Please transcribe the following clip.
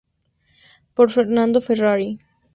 Por Fernando Ferrari.